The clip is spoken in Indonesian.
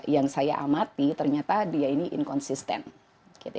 yang saya amati ternyata dia ini inconsistent